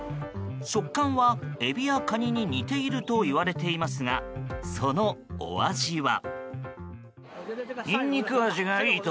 食感はエビやカニに似ているといわれていますがそのお味は。